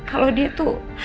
kalau dia tuh